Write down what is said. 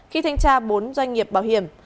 khi thanh tra bốn doanh nghiệp bảo hiểm